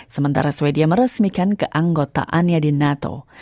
sementara sweden meresmikan keanggotaannya di nato